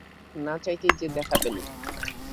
না চাইতেই যে দেখা পেলুম।